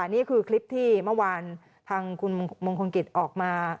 นี่คือคลิปที่เมื่อวานทางคุณมงคลกิจออกมา